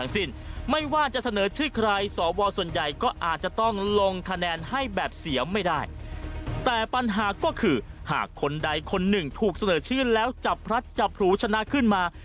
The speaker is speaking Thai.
ส่วนใหญ่ก็อาจจะต้องลงคะแนนให้แบบเสียไม่ได้แต่ปัญหาก็คือหากคนใดคนหนึ่งถูกเสนอชื่นแล้วจับรัฐจับหูชนะขึ้นมา